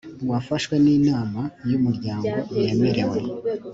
wafashwe n inama y umuryango yemerewe